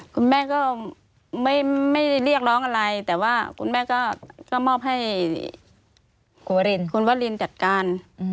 คุณแม่ก็ไม่เรียกร้องอะไรแต่ว่าคุณแม่ก็มอบให้คุณวรินคุณวรินจัดการ